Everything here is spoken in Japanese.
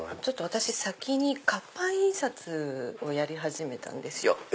私先に活版印刷をやり始めたんですよ。